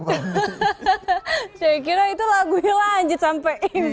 saya kira itu lagu lanjut sampai imsak